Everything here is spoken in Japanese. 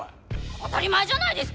当たり前じゃないですか！